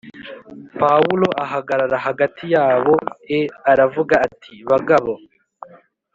Pawulo ahagarara hagati yabo e aravuga ati bagabo